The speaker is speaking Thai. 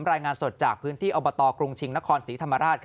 รายงานสดจากพื้นที่อบตกรุงชิงนครศรีธรรมราช